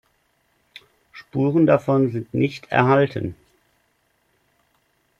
Spuren davon sind nicht erhalten.